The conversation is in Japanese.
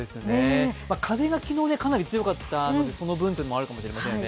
風が昨日はかなり強かったので、その分というのもあるかもしれませんね。